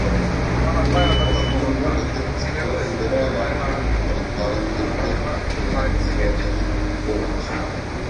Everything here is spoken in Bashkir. Ыласыны ныҡ итеп ҡысҡырып ебәрә лә, ҡанаттарын елпеп, тегенең сеүәтәһен һуғып осора.